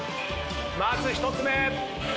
まず１つ目。